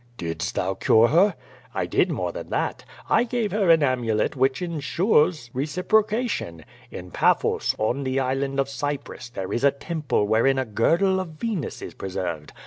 *' "Didst thou cure her?" "I did more than that. I gave her an amulet which in sures reciprocation. In Faphos, on the Island of Cyprus, there is a temple wherein a girdle of Venus is preserved.